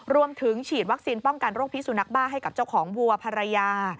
ฉีดวัคซีนป้องกันโรคพิสุนักบ้าให้กับเจ้าของวัวภรรยา